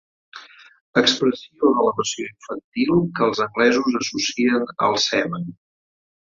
Expressió d'elevació infantil que els anglesos associen al Seven.